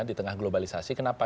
di tengah globalisasi kenapa